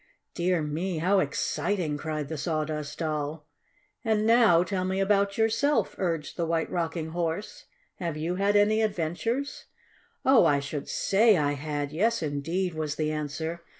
"Dear me! How exciting!" cried the Sawdust Doll. "And now tell me about yourself," urged the White Rocking Horse. "Have you had any adventures??" "Oh, I should say I had! Yes, indeed!" was the answer.